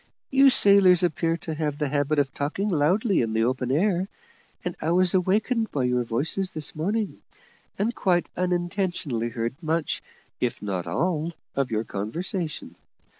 You sailors appear to have the habit of talking loudly in the open air, and I was awakened by your voices this morning, and quite unintentionally heard much, if not all, of your conversation.